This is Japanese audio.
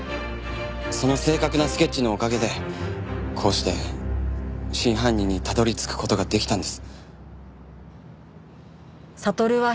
その正確なスケッチのおかげでこうして真犯人にたどり着く事ができたんです。